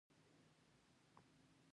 دوی د راتلونکو پنځوسو کلونو فکر کوي.